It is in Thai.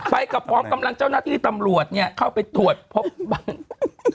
ไปกับพร้อมกำลังเจ้าหน้าที่ตำรวจเนี่ยเข้าไปตรวจพบบ้าง